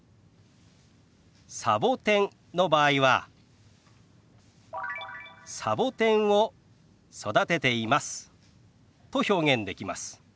サボテンの場合は「サボテンを育てています」と表現できます。